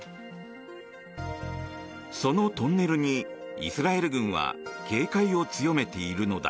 そのトンネルにイスラエル軍は警戒を強めているのだ。